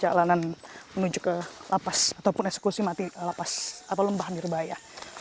perjalanan menuju ke lapas ataupun eksekusi mati lapas atau lembah mirbaya